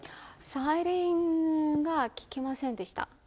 サイレンが、聞きませんでした。